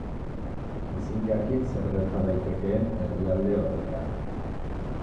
Ezin jakin zer gerta daitekeen herrialde horretan.